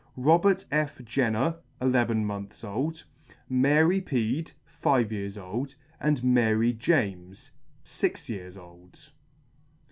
Robert F. Jenner, eleven months old, Mary Pead, five years old, and Mary James, fix years old.